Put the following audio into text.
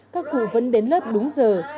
các cụ vẫn đến lớp đúng giờ